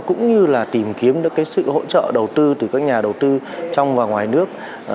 cũng như là tìm kiếm được cái sự hỗ trợ đầu tư từ các nhà đầu tư trong và ngoài nước